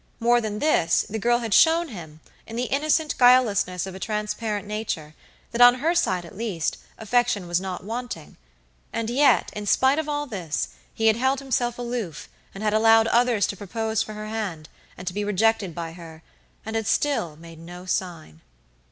More than this, the girl had shown him, in the innocent guilelessness of a transparent nature, that on her side at least, affection was not wanting; and yet, in spite of all this, he had held himself aloof, and had allowed others to propose for her hand, and to be rejected by her, and had still made no sign.